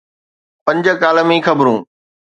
پنج ڪالمي خبرون.